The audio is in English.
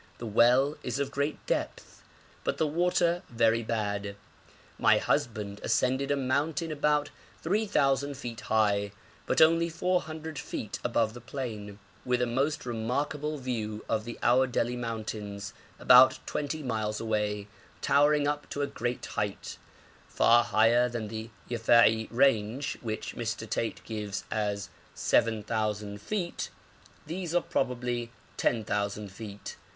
The well is of great depth, but the water very bad. My husband ascended a mountain about 3,000 feet high, but only 400 feet above the plain, with a most remarkable view of the Aòdeli mountains, about twenty miles away, towering up to a great height far higher than the Yafei range, which Mr. Tate gives as 7,000 feet: these are probably 10,000 feet.